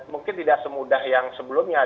mungkin tidak semudah yang sebelumnya